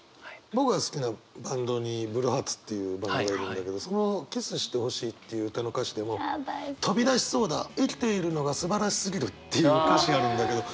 僕が好きなバンドにブルーハーツっていうバンドがいるんだけどその「キスしてほしい」っていう歌の歌詞でも「とび出しそうだ生きているのがすばらしすぎる」っていう歌詞があるんだけど。